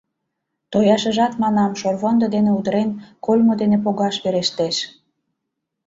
Тояшыжат, манам, шорвондо дене удырен, кольмо дене погаш верештеш...